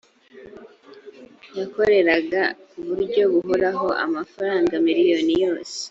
yakoreraga ku buryo buhoraho amafaranga miliyoni yose